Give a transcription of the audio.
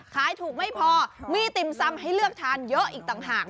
ขายถูกไม่พอมีติ่มซำให้เลือกทานเยอะอีกต่างหาก